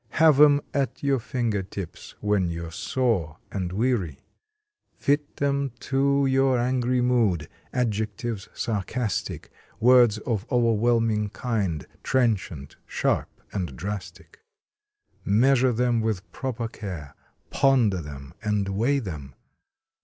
Have em at your finger tips when you re sore and weary. Fit em to your angry mood adjectives sarcastic; Words of overwhelming kind, trenchant, sharp, and drastic. Measure them with proper care, ponder them and weigh em.